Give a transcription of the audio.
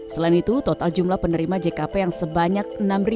selain itu total jumlah penerima jkp yang sebanyak enam delapan ratus tujuh puluh delapan